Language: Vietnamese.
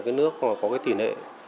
cái nước có tỷ lệ